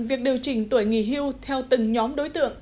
việc điều chỉnh tuổi nghỉ hưu theo từng nhóm đối tượng